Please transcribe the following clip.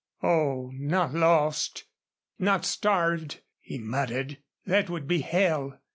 "Oh, not lost not starved?" he muttered. "That would be hell!"